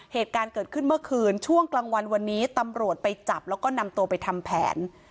เหตุการณ์เกิดขึ้นเมื่อคืนช่วงกลางวันวันนี้ตำรวจไปจับแล้วก็นำตัวไปทำแผน